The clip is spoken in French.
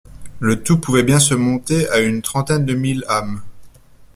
Le tout pouvait bien se monter à une trentaine de mille âmes.